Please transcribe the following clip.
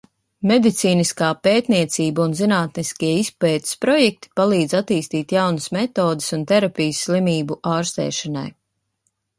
Medicīniskā pētniecība un zinātniskie izpētes projekti palīdz attīstīt jaunas metodes un terapijas slimību ārstēšanai.